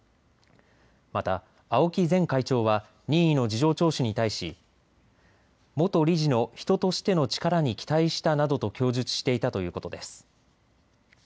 また青木前会長は任意の事情聴取に対し元理事の人としての力に期待したなどと供述していたということです。